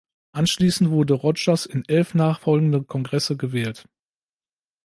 Anschließend wurde Rogers in elf nachfolgende Kongresse gewählt.